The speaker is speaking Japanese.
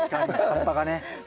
葉っぱがね。